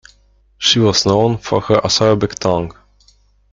She was known for her acerbic tongue.